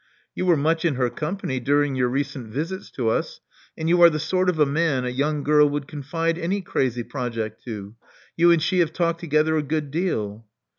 You were much in her company during your recent visits to us ; and you are the sort of a man a young girl would confide any crazy project to. You and she have talked together a good deal."